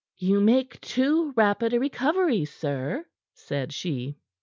"You make too rapid a recovery, sir," said she.